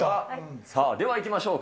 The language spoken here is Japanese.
さあ、ではいきましょうか。